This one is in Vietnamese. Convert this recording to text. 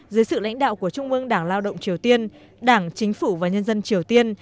dưới sự lãnh đạo của trung ương đảng lao động triều tiên đảng chính phủ và nhân dân triều tiên